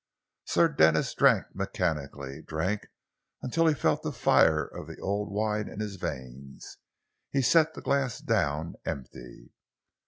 Sir Denis drank mechanically, drank until he felt the fire of the old wine in his veins. He set the glass down empty.